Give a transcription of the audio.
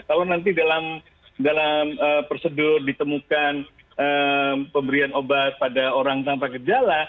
kalau nanti dalam prosedur ditemukan pemberian obat pada orang tanpa gejala